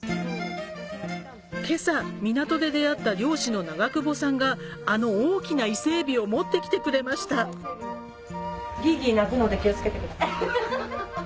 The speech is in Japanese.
今朝港で出会った漁師の長久保さんがあの大きな伊勢海老を持ってきてくれましたハハハ。